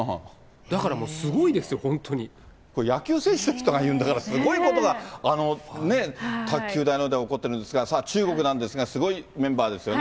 だからもう、すごいですよ、本当野球選手の人が言うんだから、すごいことが卓球台の上で起こってるんですが、さあ、中国なんですが、すごいメンバーですよね。